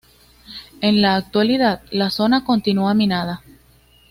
En la actualidad la zona continúa minada.